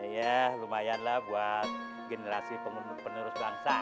ya lumayan lah buat generasi penerus bangsa